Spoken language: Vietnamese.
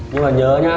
nhưng mà nhớ nhá